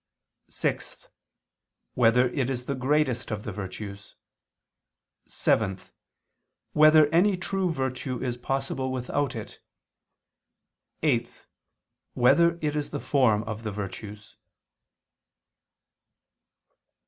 (6) Whether it is the greatest of the virtues? (7) Whether any true virtue is possible without it? (8) Whether it is the form of the virtues?